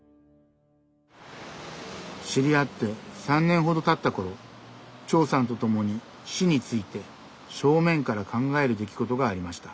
知り合って３年ほどたった頃長さんと共に「死」について正面から考える出来事がありました。